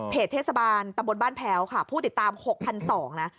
เทศบาลตำบลบ้านแพ้วค่ะผู้ติดตาม๖๒๐๐นะ